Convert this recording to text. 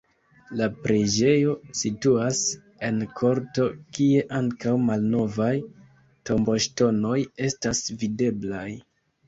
La preĝejo situas en korto, kie ankaŭ malnovaj tomboŝtonoj estas videblaj.